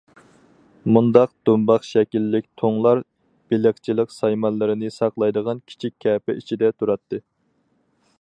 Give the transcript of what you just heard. مۇنداق دۇمباق شەكىللىك تۇڭلار بېلىقچىلىق سايمانلىرىنى ساقلايدىغان كىچىك كەپە ئىچىدە تۇراتتى.